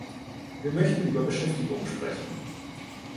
Wir möchten über Beschäftigung sprechen.